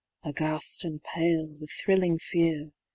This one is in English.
— Aghaft and pale with thrilling fear.